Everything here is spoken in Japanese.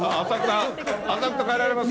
浅草帰られますか？